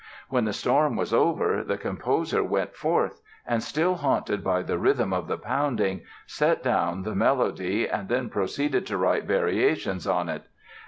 When the storm was over the composer went forth and, still haunted by the rhythm of the pounding, set down the melody and then proceeded to write variations on it.